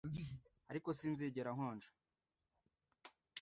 Ariko sinzigera nkonja